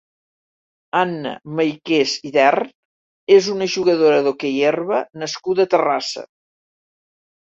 Anna Maiques i Dern és una jugadora d'hoquei herba nascuda a Terrassa.